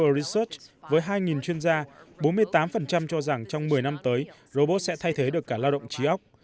research với hai chuyên gia bốn mươi tám cho rằng trong một mươi năm tới robot sẽ thay thế được cả lao động trí ốc